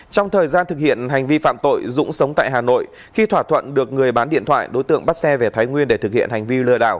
trong thời gian thực hiện hành vi phạm tội dũng sống tại hà nội khi thỏa thuận được người bán điện thoại đối tượng bắt xe về thái nguyên để thực hiện hành vi lừa đảo